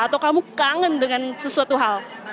atau kamu kangen dengan sesuatu hal